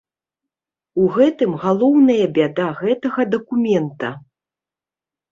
У гэтым галоўная бяда гэтага дакумента.